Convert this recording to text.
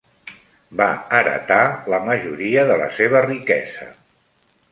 Va heretar la majoria de la seva riquesa.